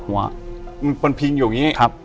อยู่ที่แม่ศรีวิรัยิลครับ